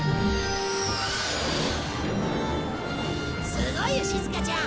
すごいよしずかちゃん！